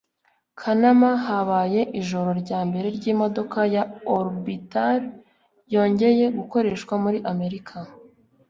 Kanama habaye ijoro ryambere ryimodoka ya orbital yongeye gukoreshwa muri Amerika